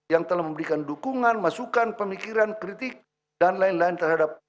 yang telah memberikan dukungan masukan pemikiran kritik dan lain lain terhadap